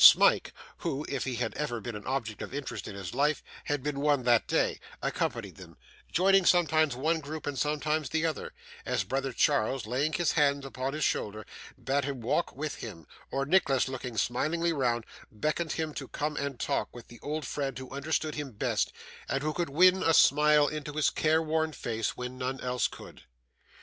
Smike (who, if he had ever been an object of interest in his life, had been one that day) accompanied them, joining sometimes one group and sometimes the other, as brother Charles, laying his hand upon his shoulder, bade him walk with him, or Nicholas, looking smilingly round, beckoned him to come and talk with the old friend who understood him best, and who could win a smile into his careworn face when none else could.